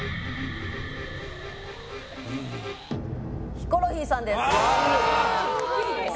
ヒコロヒーさんです。